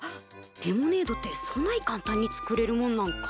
レモネードってそない簡単に作れるもんなんか。